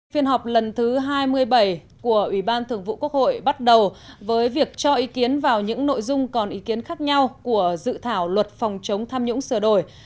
phiên họp lần thứ hai mươi bảy của ủy ban thường vụ quốc hội bắt đầu với việc cho ý kiến vào những nội dung còn ý kiến khác nhau của dự thảo luật phòng chống tham nhũng sửa đổi